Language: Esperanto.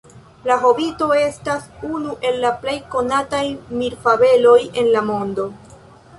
La Hobito estas unu el la plej konataj mirfabeloj en la mondo.